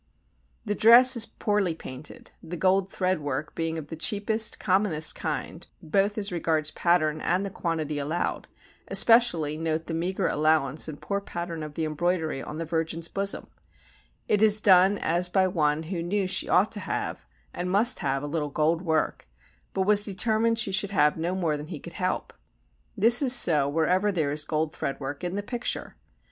The dress is poorly painted, the gold thread work being of the cheapest, commonest kind, both as regards pattern and the quantity allowed; especially note the meagre allowance and poor pattern of the embroidery on the virgin's bosom; it is done as by one who knew she ought to have, and must have, a little gold work, but was determined she should have no more than he could help. This is so wherever there is gold thread work in the picture.